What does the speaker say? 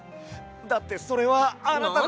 だってそれはあなたの。